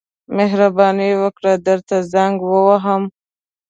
مهرباني وکړه درته زنګ ووهم.